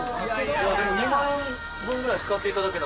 でも２万分ぐらい使っていただけた。